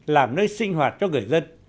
làm nơi sinh hoạt cho người dân